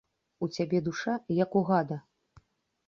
У цябе душа, як у гада.